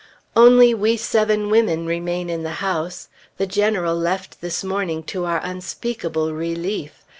Only we seven women remain in the house. The General left this morning, to our unspeakable relief.